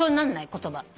言葉。